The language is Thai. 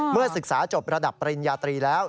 เมื่อศึกษาจบระดับปริญญาตรีแล้ว